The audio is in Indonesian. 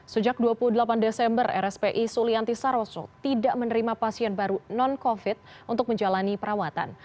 sejak dua puluh delapan desember rspi sulianti saroso tidak menerima pasien baru non covid untuk menjalani perawatan